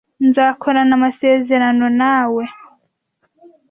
Nzakorana amasezerano nawe.